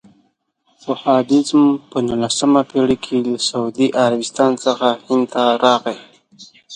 وهابیزم په نولسمه پېړۍ کې له سعودي عربستان څخه هند ته راغی.